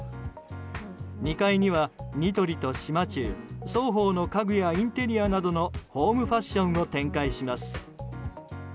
２階にはニトリと島忠双方の家具やインテリアなどのホームファッションを展開します。